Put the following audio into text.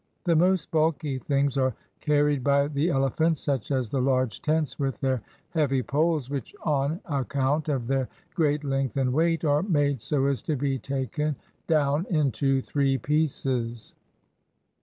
The most bulky things are carried by the elephants, such as the large tents with their heavy poles, which on account of their great length and weight are made so as to be taken down into three pieces.